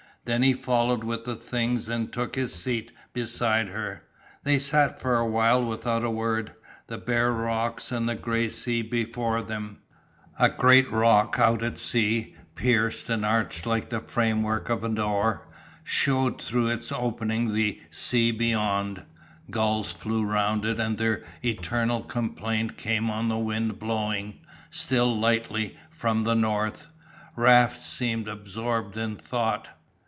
Then he followed with the things and took his seat beside her. They sat for a while without a word, the bare rocks and the grey sea before them. A great rock out at sea, pierced and arched like the frame work of a door, shewed through its opening the sea beyond. Gulls flew round it and their eternal complaint came on the wind blowing, still lightly, from the north. Raft seemed absorbed in thought.